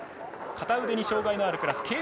片腕に障がいのあるクラス。